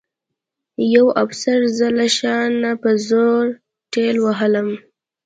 یوه افسر زه له شا نه په زور ټېل وهلم